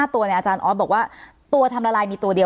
ตัวเนี่ยอาจารย์ออสบอกว่าตัวทำละลายมีตัวเดียว